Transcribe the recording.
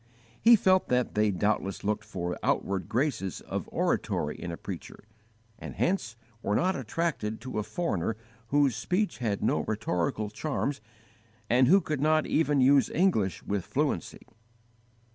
He felt that they doubtless looked for outward graces of oratory in a preacher, and hence were not attracted to a foreigner whose speech had no rhetorical charms and who could not even use English with fluency.